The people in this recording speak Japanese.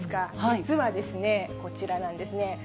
実はですね、こちらなんですね。